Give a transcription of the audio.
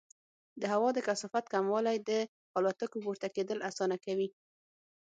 د هوا د کثافت کموالی د الوتکو پورته کېدل اسانه کوي.